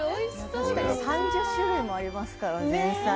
３０種類もありますからね、前菜。